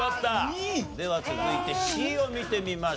２？では続いてＣを見てみましょう。